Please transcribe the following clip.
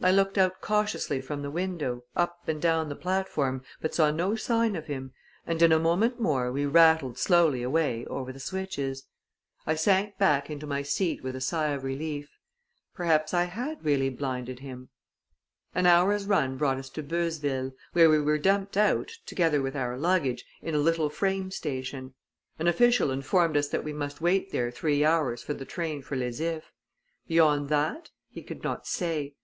I looked out cautiously from the window, up and down the platform, but saw no sign of him, and in a moment more we rattled slowly away over the switches. I sank back into my seat with a sigh of relief. Perhaps I had really blinded him! An hour's run brought us to Beuzeville, where we were dumped out, together with our luggage, in a little frame station. An official informed us that we must wait there three hours for the train for Les Ifs. Beyond that? He could not say.